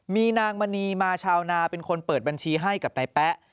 มีนางมณีมาชาวนาเป็นคนเปิดบัญชีให้กับนายแป๊ะ